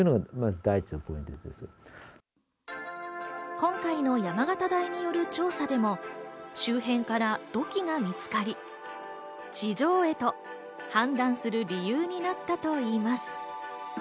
今回の山形大による調査でも、周辺から土器が見つかり、地上絵と判断する理由になったといいます。